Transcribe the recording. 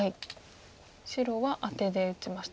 白はアテで打ちました。